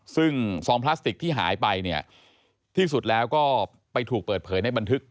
ซึ่งซองพลาสติกที่หายไปเนี่ยที่สุดแล้วก็ไปถูกเปิดเผยในบันทึก